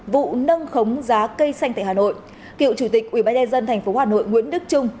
vụ nâng khống giá cây xanh tại hà nội cựu chủ tịch ubnd tp hà nội nguyễn đức trung